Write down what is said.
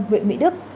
huyện mỹ đức